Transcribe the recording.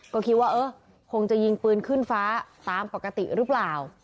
ก็คิดว่าเออคงจะยิงปืนขึ้นฟ้าตามปกติหรือเปล่า